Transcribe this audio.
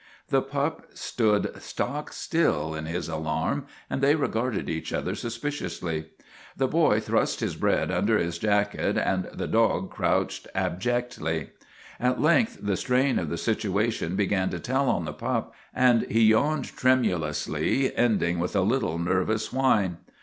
The pup stood stock still in his alarm, and they regarded each other suspiciously. The boy thrust his bread under his jacket and the dog crouched abjectly. At length the strain of the situation began to tell on the pup, and he yawned tremulously, ending with a little nervous whine.